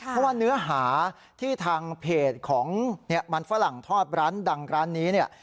เพราะว่าเนื้อหาที่ทางเพจของเนี่ยมันฝรั่งทอดร้านดังร้านนี้เนี่ย